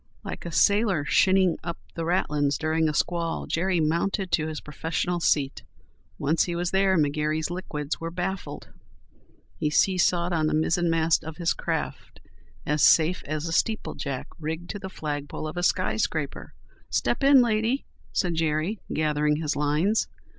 Like a sailor shinning up the ratlins during a squall Jerry mounted to his professional seat. Once he was there McGary's liquids were baffled. He seesawed on the mizzenmast of his craft as safe as a Steeple Jack rigged to the flagpole of a skyscraper. "Step in, lady," said Jerry, gathering his lines.